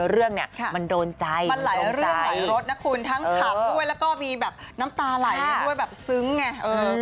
เรื่องเนี่ยมันโดนใจมันหลายเรื่องหลายรถนะคุณทั้งขับด้วยแล้วก็มีแบบน้ำตาไหลด้วยแบบซึ้งไง